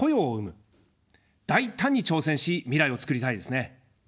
大胆に挑戦し、未来を作りたいですね。